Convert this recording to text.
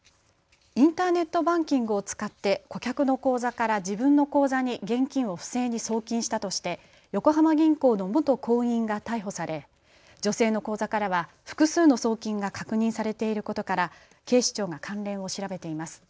インターネットバンキングを使って顧客の口座から自分の口座に現金を不正に送金したとして横浜銀行の元行員が逮捕され女性の口座からは複数の送金が確認されていることから警視庁が関連を調べています。